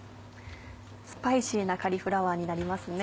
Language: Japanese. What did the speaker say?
スパイシーなカリフラワーになりますね。